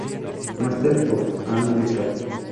Master of all metal.